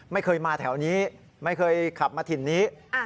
ไม่เคยมาแถวนี้ไม่เคยขับมาถิ่นนี้